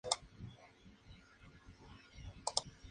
Su nombre se refiere a que fue el primer subtipo descubierto.